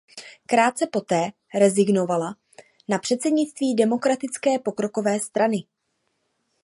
Krátce poté rezignovala na předsednictví Demokratické pokrokové strany.